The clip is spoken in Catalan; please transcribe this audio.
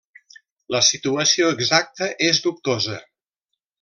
La situació exacta és dubtosa.